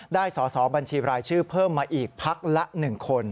สอสอบัญชีรายชื่อเพิ่มมาอีกพักละ๑คน